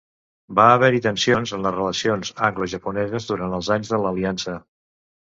Va haver-hi tensions en les relacions anglo-japoneses durant els anys de l'aliança.